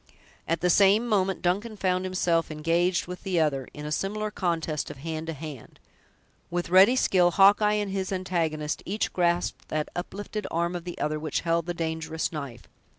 At the same moment, Duncan found himself engaged with the other, in a similar contest of hand to hand. With ready skill, Hawkeye and his antagonist each grasped that uplifted arm of the other which held the dangerous knife.